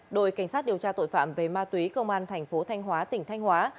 đội cảnh sát điều tra tội phạm về ma túy công an tp thanh hóa tỉnh thanh hóa